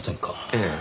ええ。